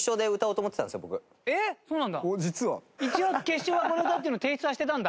一応決勝はこの歌っていうのは提出はしてたんだ？